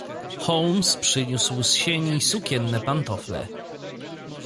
"Holmes przyniósł z sieni sukienne pantofle."